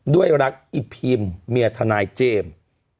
ด้วยรักอีพิมเมียทนายเจมส์